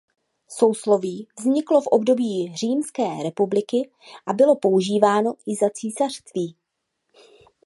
Sousloví vzniklo v období římské republiky a bylo používáno i za císařství.